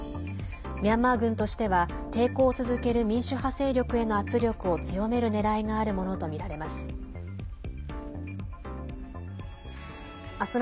ミャンマー軍としては抵抗を続ける民主派勢力への圧力を強めるねらいがあるものとみられます。